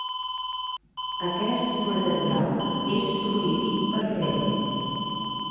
Aquest material és prohibit per llei.